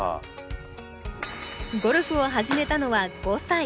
ゴルフを始めたのは５歳。